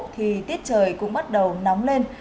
thì tiết trời cũng bắt đầu nóng lên